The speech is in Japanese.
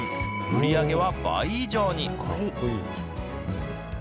売り上げは倍以上に。